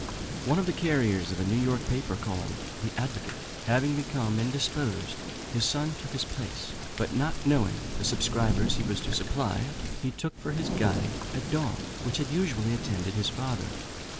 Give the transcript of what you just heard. [Illustration: RETRIEVER.] One of the carriers of a New York paper called the "Advocate," having become indisposed, his son took his place; but not knowing the subscribers he was to supply, he took for his guide a dog which had usually attended his father.